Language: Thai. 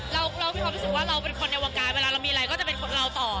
เรามีความรู้สึกว่าเราเป็นคนในวงการเวลาเรามีอะไรก็จะเป็นคนเราต่อ